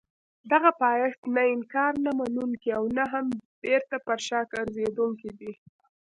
دغه پایښت نه انکار نه منونکی او نه هم بېرته پر شا ګرځېدونکی دی.